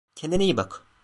Kendine iyi bak.